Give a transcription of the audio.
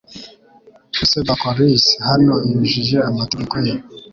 Ese Bocchoris hano yujuje amategeko ye